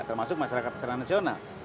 termasuk masyarakat secara nasional